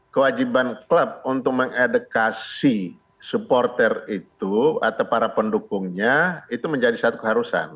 kewajiban klub untuk mengedukasi supporter itu atau para pendukungnya itu menjadi satu keharusan